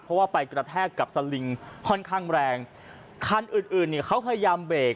เพราะว่าไปกระแทกกับสลิงค่อนข้างแรงคันอื่นอื่นเนี่ยเขาพยายามเบรก